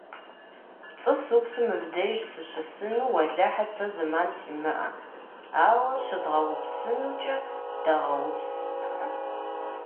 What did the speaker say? ПцӀы супсу мыбдеж сыщысыну, уэлэхьэ, сэ зэман симыӀэ, ауэ щыдбгъэупсынукӀэ - дыгъэупс.